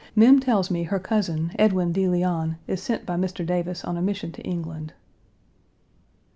Mem tells me her cousin, Edwin de Leon, is sent by Mr. Davis on a mission to England.